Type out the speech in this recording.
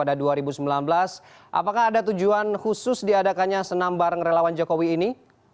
dua ribu sembilan belas apakah ada tujuan khusus diadakannya senam bareng relawan jokowi ini